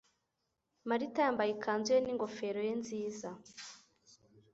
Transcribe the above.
Marita yambaye ikanzu ye n'ingofero ye nziza.